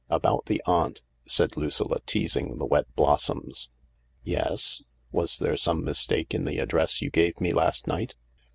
" About the aunt," said Lucilla, teasing the wet blossoms. " Yes ? Was there some mistake in the address you gave me last night